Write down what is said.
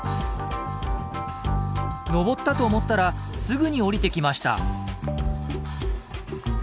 登ったと思ったらすぐに下りてきました。